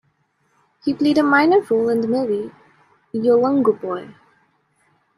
He played a minor role in the movie "Yolngu Boy".